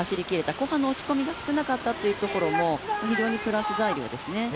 後半の落ち込みが少なかったところも非常にプラス材料ですね。